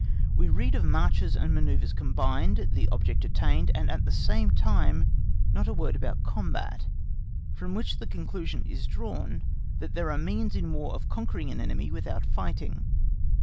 We read of marches and manœuvres combined, the object attained, and at the same time not a word about combat, from which the conclusion is drawn that there are means in War of conquering an enemy without fighting.